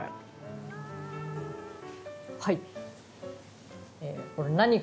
はい。